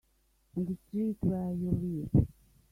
On the street where you live.